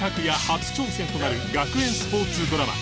初挑戦となる学園スポーツドラマ